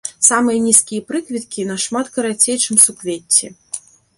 Самыя нізкія прыкветкі нашмат карацей, чым суквецці.